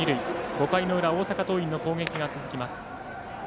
５回の裏、大阪桐蔭の攻撃が続きます。